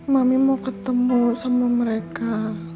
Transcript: mami mau ketemu sama mereka